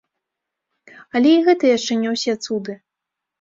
Але і гэта яшчэ не ўсе цуды.